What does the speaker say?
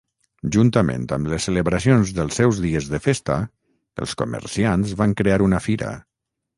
Juntament amb les celebracions dels seus dies de festa, els comerciants van crear una fira.